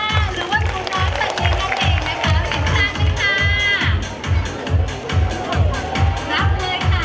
สาวงค่ะรู้ว่าของมองสักเย็นนะคะ